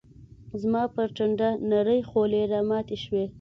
زما پر ټنډه نرۍ خولې راماتي شوې